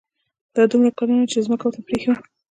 دا دومره کلونه چې دې ځمکه ورته پرېښې وه.